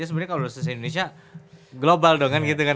sebenarnya kalau disini indonesia global dong kan